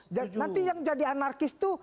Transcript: nanti yang jadi anarkis itu